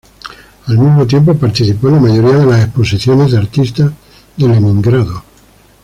Al mismo tiempo participó en la mayoría de las exposiciones de artistas de Leningrado.